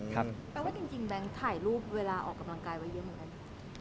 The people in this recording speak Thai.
แปลว่าจริงแบงค์ถ่ายรูปเวลาออกกำลังกายไว้เยอะเหมือนกัน